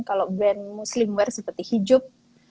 kalau brand muslimwear seperti hijup